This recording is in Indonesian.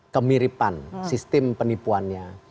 kemiripan sistem penipuannya